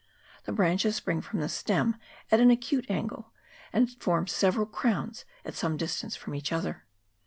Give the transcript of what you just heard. The branches spring from the stem at an acute angle, and form several crowns at some distance from each other.